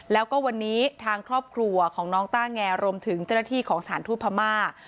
แล้วก็วันนี้ทางครอบครัวของน้องต้าแงรวมถึงเจ้าหน้าที่ของสถานทูตพม่า